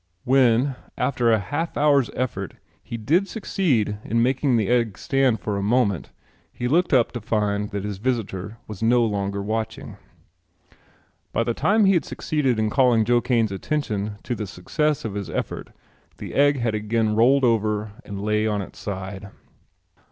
When after a half hour's effort he did succeed in making the egg stand for a moment he looked up to find that his visitor was no longer watching. By the time he had succeeded in calling Joe Kane's attention to the success of his effort the egg had again rolled over and lay on its side.